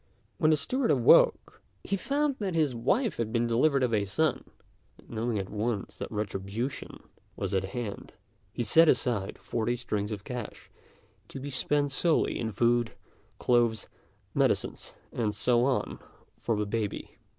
When the steward awoke, he found that his wife had been delivered of a son; and, knowing at once that retribution was at hand, he set aside forty strings of cash to be spent solely in food, clothes, medicines, and so on, for the baby.